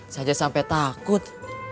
saya aja sampai takut